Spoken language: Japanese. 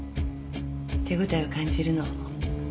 手応えを感じるの。